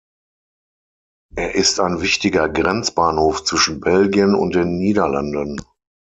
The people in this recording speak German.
Er ist ein wichtiger Grenzbahnhof zwischen Belgien und den Niederlanden.